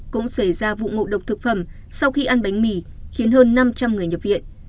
cũng xảy ra vụ ngộ độc thực phẩm sau khi ăn bánh mì khiến hơn năm trăm linh người nhập viện